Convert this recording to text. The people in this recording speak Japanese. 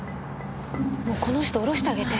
もうこの人降ろしてあげて。